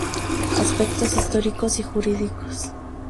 Aspectos históricos y jurídicos".